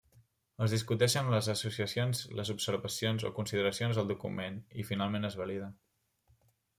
Es discuteixen amb les associacions les observacions o consideracions al document i finalment es valida.